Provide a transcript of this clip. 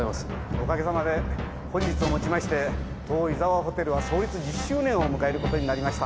おかげさまで本日をもちまして当「井沢ホテル」は創立１０周年を迎えることになりました。